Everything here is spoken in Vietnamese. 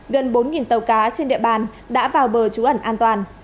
gần bốn tàu cá trên địa bàn đã vào bờ trú ẩn an toàn